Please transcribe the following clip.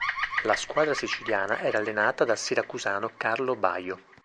La squadra siciliana era allenata dal siracusano Carlo Baio.